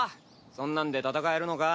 そんなんで戦えるのか？